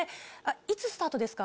いつスタートですか？